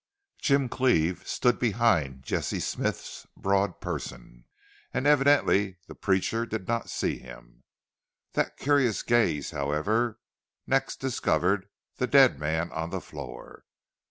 Jim Cleve stood behind Jesse Smith's broad person, and evidently the preacher did not see him. That curious gaze, however, next discovered the dead man on the floor.